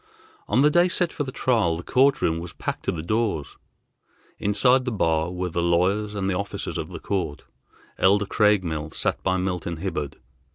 On the day set for the trial the court room was packed to the doors. Inside the bar were the lawyers and the officers of the court. Elder Craigmile sat by Milton Hibbard.